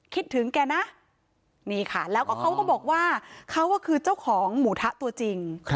คิดถึงแกนะนี่ค่ะแล้วก็เขาก็บอกว่าเขาก็คือเจ้าของหมูทะตัวจริง